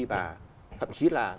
và thậm chí là